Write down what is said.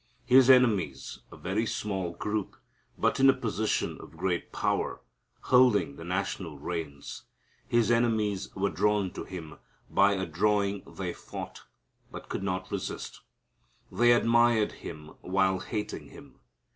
His enemies a very small group, but in a position of great power, holding the national reins His enemies were drawn to Him, by a drawing they fought, but could not resist. They admired Him while hating Him.